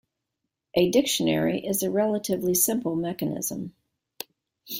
A Dictionary is a relatively simple mechanism.